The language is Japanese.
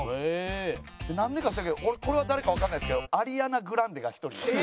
なんでか知らんけど俺これは誰かわからないんですけどアリアナグランデが１人います。